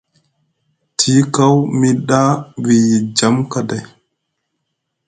Tiyi kaw mi ɗa wiyi jam kaday.